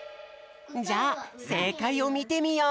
じゃあせいかいをみてみよう。